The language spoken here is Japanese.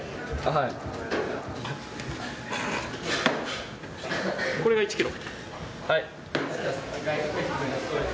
はいこれが１キロ？